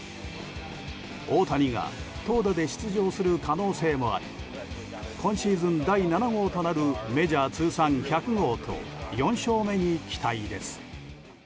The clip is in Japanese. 大谷が投打で出場する可能性もあり今シーズン第７号となるメジャー通算１００号と４勝目に期待です。